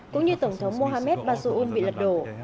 cũng như tổng thống mohamed bazoum bị lật đổ